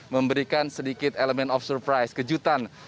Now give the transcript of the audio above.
memberikan sedikit elemen of surprise kejutan